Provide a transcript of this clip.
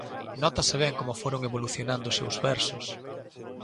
Nótase ben como foron evolucionando os seus versos.